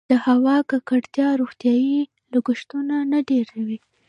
د هوا ککړتیا روغتیايي لګښتونه ډیروي؟